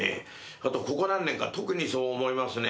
あとここ何年か特にそう思いますね。